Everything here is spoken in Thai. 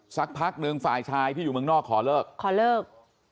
สักพักหนึ่งฝ่ายชายที่อยู่เมืองนอกขอเลิกขอเลิก